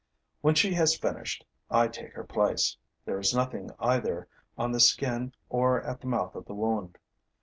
When she has finished, I take her place. There is nothing either on the skin or at the mouth of the wound.